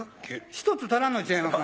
１つ足らんの違いますか？